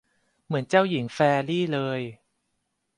เหมือนเจ้าหญิงแฟรรี่เลย